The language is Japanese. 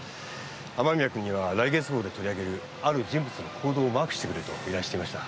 雨宮君には来月号で取り上げるある人物の行動をマークしてくれと依頼していました。